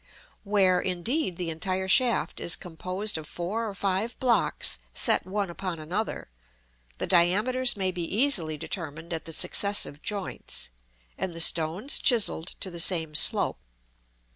Where, indeed, the entire shaft is composed of four or five blocks set one upon another, the diameters may be easily determined at the successive joints, and the stones chiselled to the same slope.